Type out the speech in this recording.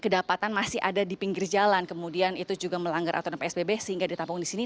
kedapatan masih ada di pinggir jalan kemudian itu juga melanggar aturan psbb sehingga ditampung di sini